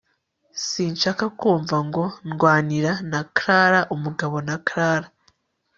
sinshaka kumva ngo ndwanira na Clara umugabo na Clara